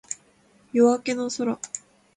夜明けの空